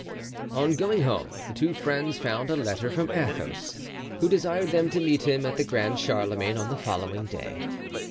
On going home, the two friends found a letter from Athos, who desired them to meet him at the Grand Charlemagne on the following day.